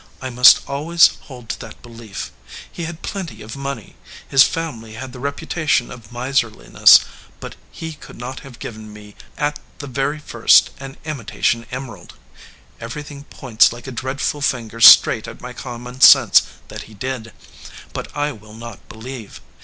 I must always hold to that belief. He had plenty of money. His family had the reputation of miserliness, but he could not have given me at the very first an imitation emerald. Everything points like a dreadful finger straight at my com mon sense that he did, but I will not believe.